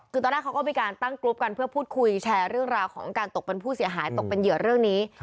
คือตอนแรกเขาก็มีการตั้งกรุ๊ปกันเพื่อพูดคุยแชร์เรื่องราวของการตกเป็นผู้เสียหายตกเป็นเหยื่อเรื่องนี้